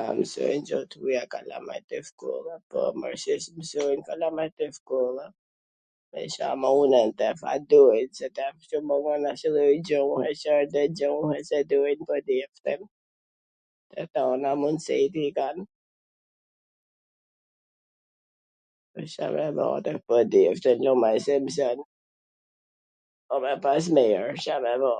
A msojn gjuh t huja kalamajt te shkolla? Po, mor, si s msojn kalamajt te shkolla, e Ca munen, n fakt kjo duet se asht njw lloj gjuhe, Cdo gjuhe qw t dojn ... e tana mundsit i kan... e Ca me ba tash... ku e di un si msojn... po me pas mir wsht, Ca me bo.